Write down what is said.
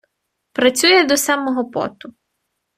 Працює до семого поту.